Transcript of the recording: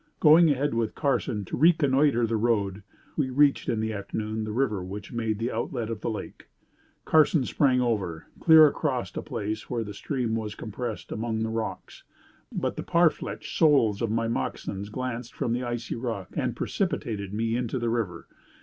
Going ahead with Carson to reconnoitre the road, we reached in the afternoon the river which made the outlet of the lake. Carson sprang over, clear across a place where the stream was compressed among the rocks, but the parflêche sole of my moccasin glanced from the icy rock, and precipitated me into the river.